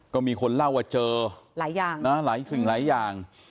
ก็มีคนเล่าว่าเจอหลายอย่างนะหลายสิ่งหลายอย่าง